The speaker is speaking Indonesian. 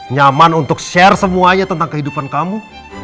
nyaman untuk share semuanya tentang kehidupan kamu